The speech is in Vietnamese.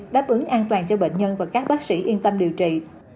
đáp ứng an toàn cho bệnh nhân và các bác sĩ yên tâm điều trị